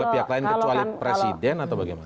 pihak lain kecuali presiden atau bagaimana